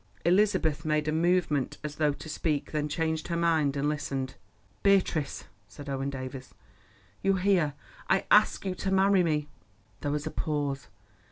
Elizabeth made a movement as though to speak, then changed her mind and listened. "Beatrice," said Owen Davies, "you hear. I ask you to marry me." There was a pause.